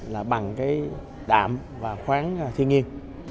là bằng cái đạm và khoáng thiên nhiên